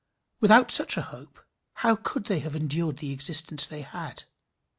Without such a hope, how could they have endured the existence they had?